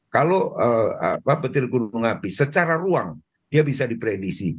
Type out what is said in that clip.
kalau petir gunung api secara ruang dia bisa diprediksi